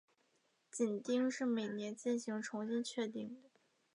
紧盯是每年进行重新确定的。